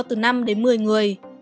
từ năm đến một mươi người